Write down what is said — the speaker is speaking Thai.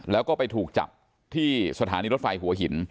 แล้วก็ไปถูกจับที่สถานีรถไฟหัวหิน